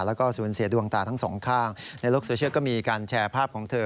แล้วก็สูญเสียดวงตาทั้งสองข้างในโลกโซเชียลก็มีการแชร์ภาพของเธอ